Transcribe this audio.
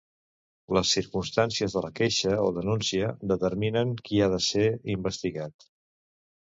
Les circumstàncies de la queixa o denúncia, determinen qui ha de ser investigat.